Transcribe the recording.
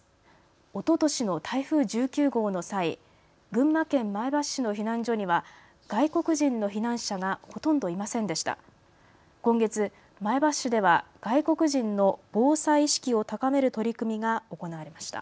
おととしの台風１９号の際、群馬県前橋市の避難所には外国人の避難者がほとんどいませんでした。